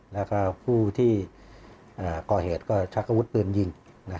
และผู้ที่ก่อเหตุชะกะวุดปืนยิง